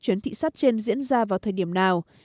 chuyến thị sát trên diễn ra vào thời điểm nào